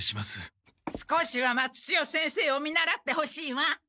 少しは松千代先生を見習ってほしいわ。